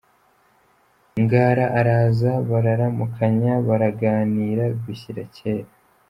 Ngara araza bararamukanya; baraganira bishyira kera.